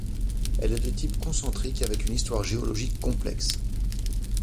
Elle est de type concentrique, avec une histoire géologique complexe.